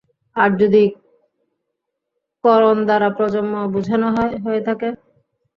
আর যদি করন দ্বারা প্রজন্ম বুঝানো হয়ে থাকে।